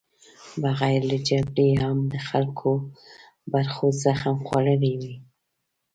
بغیر له جګړې هم د خلکو برخو زخم خوړلی وي.